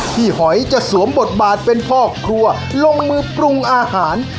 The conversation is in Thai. หอยจะสวมบทบาทเป็นพ่อครัวลงมือปรุงอาหาร